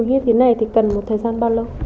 cái túi như thế này thì cần một thời gian bao lâu